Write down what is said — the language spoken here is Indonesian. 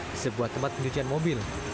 di sebuah tempat pencucian mobil